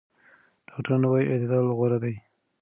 ډاکټران وايي اعتدال غوره دی.